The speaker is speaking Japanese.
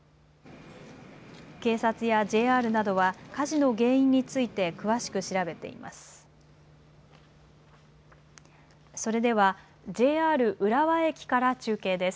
警察やＪＲなどは火事の原因について詳しく調べています。